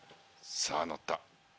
さぁ乗った。